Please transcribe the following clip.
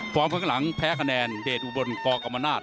ฟอร์มข้างหลังแพ้คะแนนเด็ดอุบรณ์กอกกัมมะนาธ